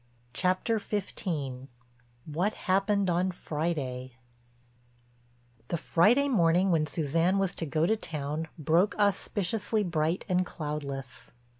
CHAPTER XV—WHAT HAPPENED ON FRIDAY The Friday morning when Suzanne was to go to town broke auspiciously bright and cloudless.